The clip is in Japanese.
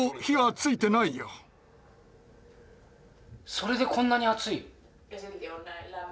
それでこんなに熱い。